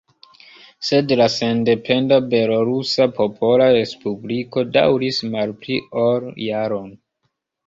Sed la sendependa Belorusa Popola Respubliko daŭris malpli ol jaron.